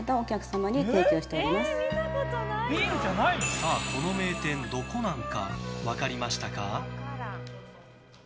さあ、この名店ドコナンか分かりましたか？